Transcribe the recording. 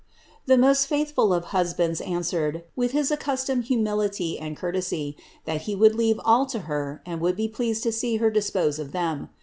The most faithful of husbands answered, with his accustomed humility and courtesy, that he would leave all to Her and would be pleased to see Her dispose of them.